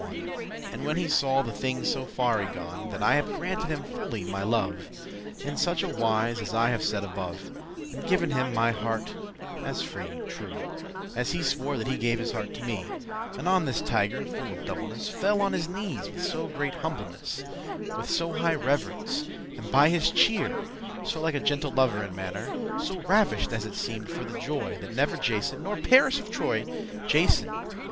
* *do not think alike* And when he saw the thing so far y gone, That I had granted him fully my love, In such a wise as I have said above, And given him my true heart as free As he swore that he gave his heart to me, Anon this tiger, full of doubleness, Fell on his knees with so great humbleness, With so high reverence, as by his cheer,* *mien So like a gentle lover in mannere, So ravish'd, as it seemed, for the joy, That never Jason, nor Paris of Troy, — Jason?